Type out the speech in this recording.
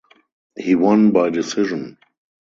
He won by decision.